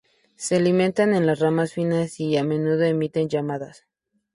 Se alimentan en las ramas finas y a menudo emiten llamadas.